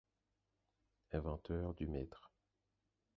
Inventeur du mètre.